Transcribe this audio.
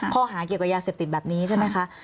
ข้อหาเกี่ยวกับยาเสพติดแบบนี้ใช่ไหมคะ